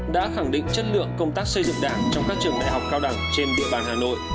đã khẳng định chất lượng công tác xây dựng đảng trong các trường đại học cao đẳng trên địa bàn hà nội